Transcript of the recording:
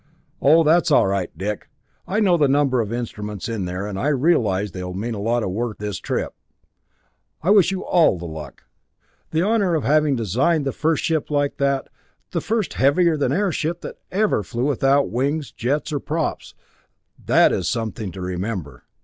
"Oh, that's all right, Dick, I know the number of instruments in there, and I realize they will mean a lot of work this trip. I wish you all luck. The honor of having designed the first ship like that, the first heavier than air ship that ever flew without wings, jets, or props that is something to remember.